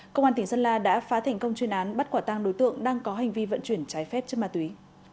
công an tỉnh sơn la đã phá thành công chuyên án bắt quả tang đối tượng đang có hành vi vận chuyển trái phép chất ma túy